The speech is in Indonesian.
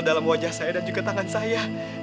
di wajah saya dan juga di tangan saya